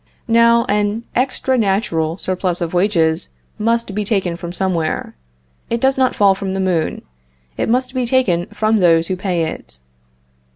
Now, an extra natural surplus of wages must be taken from somewhere; it does not fall from the moon; it must be taken from those who pay it.